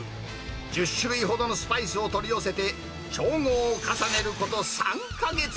１０種類ほどのスパイスを取り寄せて、調合を重ねること３か月。